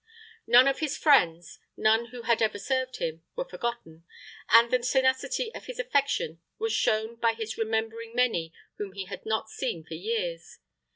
None of his friends, none who had ever served him, were forgotten, and the tenacity of his affection was shown by his remembering many whom he had not seen for years.